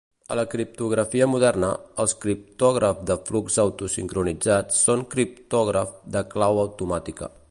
A la criptografia moderna, els criptògrafs de flux autosincronitzats són criptògraf de clau automàtica.